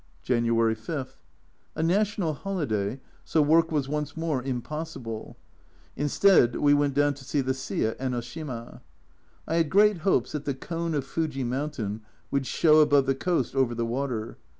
January 5. A national holiday, so work was once more impossible ; instead, we went down to see the sea at Enoshima. I had great hopes that the cone of Fuji mountain would show above the coast over the water.